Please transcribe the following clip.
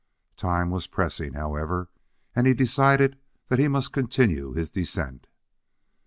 Time was pressing, however, and he decided that he must continue his descent.